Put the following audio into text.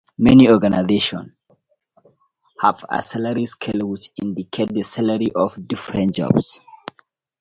Many organizations have a salary scale which indicates the salary for different jobs.